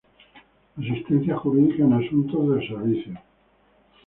Asistencia jurídica en asuntos del servicio.